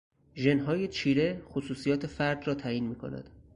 ژنهای چیره خصوصیات فرد را تعیین میکند.